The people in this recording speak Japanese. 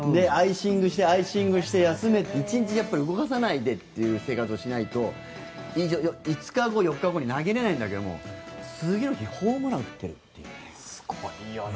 アイシングして、休めて１日動かさないという生活をしないと５日後、４日後に投げられないんだけど次の日ホームラン打ってるっていうね。